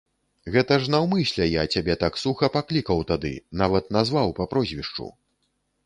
Гэта ж наўмысля я цябе так суха паклікаў тады, нават назваў па прозвішчу.